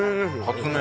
発明。